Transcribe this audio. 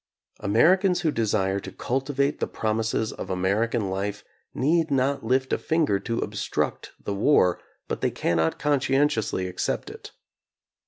Amer icans who desire to cultivate the promises of Amer ican life need not lift a finger to obstruct the war, but they cannot conscientiously accept it.